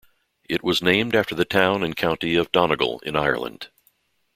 It was named after the town and county of Donegal in Ireland.